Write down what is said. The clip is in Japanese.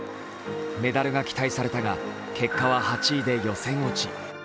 メダルが期待されたが、結果は８位で予選落ち。